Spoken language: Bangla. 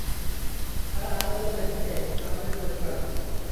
তারা আরো বললেন, হে আমাদের প্রতিপালক!